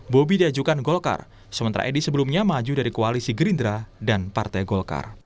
bobi diajukan golkar sementara edi sebelumnya maju dari koalisi gerindra dan partai golkar